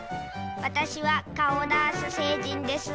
わたしはカオダース星人です。